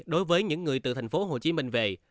đối với những người từ thành phố hồ chí minh về